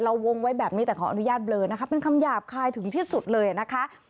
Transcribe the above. วงไว้แบบนี้แต่ขออนุญาตเบลอนะคะเป็นคำหยาบคายถึงที่สุดเลยนะคะ